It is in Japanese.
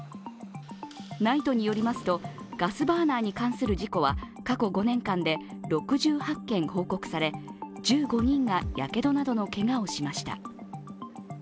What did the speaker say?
ＮＩＴＥによりますと、ガスバーナーに関する事故は過去５年間で６８件報告され、１５人がやけどなどのけがをしました。